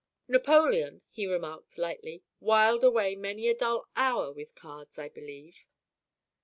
"Napoleon," he remarked lightly, "whiled away many a dull hour with cards, I believe."